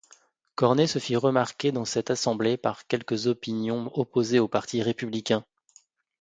Cornet se fit remarquer dans cette assemblée par quelques opinions opposées au parti républicain.